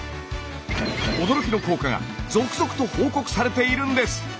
驚きの効果が続々と報告されているんです。